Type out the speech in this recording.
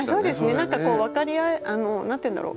何かこう分かり合えあの何て言うんだろう。